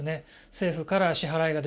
政府から支払いができる。